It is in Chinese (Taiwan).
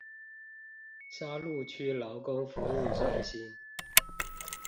沙鹿區勞工服務中心